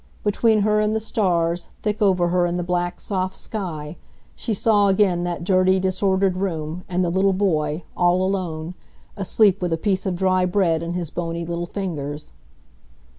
Between her and the stars, thick over her in the black, soft sky, she saw again that dirty, disordered room and the little boy, all alone, asleep with a piece of dry bread in his bony little fingers.